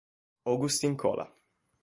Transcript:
Agustin Kola